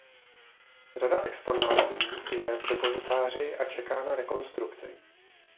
Řada exponátů je v depozitáři a čeká na rekonstrukci.